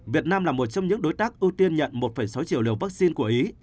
việt nam là một trong những đối tác ưu tiên nhận một sáu triệu liều vaccine của ý